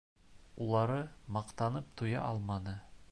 Улары маҡтанып туя алманы.